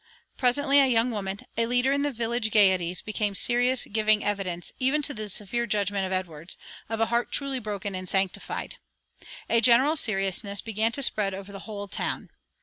Presently a young woman, a leader in the village gayeties, became "serious, giving evidence," even to the severe judgment of Edwards, "of a heart truly broken and sanctified." A general seriousness began to spread over the whole town.